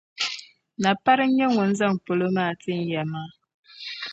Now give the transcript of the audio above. Napari n-nyɛ ŋun zaŋ polo maa n ti ya maa.